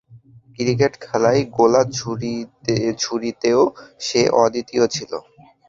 Cricket খেলায় গোলা ছুঁড়িতেও সে অদ্বিতীয় ছিল।